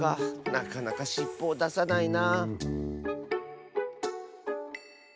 なかなかしっぽをださないな。